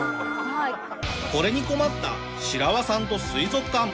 これに困ったシラワさんと水族館。